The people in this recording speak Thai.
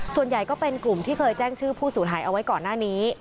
ส่วนใหญ่ก็เป็นกลุ่มที่เคยแจ้งชื่อผู้สูญหายเอาไว้ก่อนหน้านี้